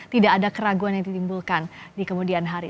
tidak ada keraguan yang ditimbulkan di kemudian hari